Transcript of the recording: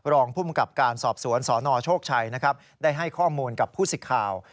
รองภูมิกับการสอบสวนสนโชคชัยนะครับได้ให้ข้อมูลกับผู้สิทธิ์ข่าว